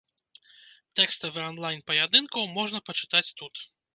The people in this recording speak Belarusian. Тэкставы анлайн паядынкаў можна пачытаць тут.